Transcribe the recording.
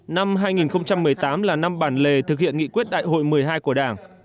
năm hai nghìn một mươi tám là năm bản lề thực hiện nghị quyết đại hội một mươi hai của đảng